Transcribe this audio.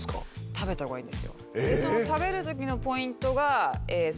食べた方がいいですよ。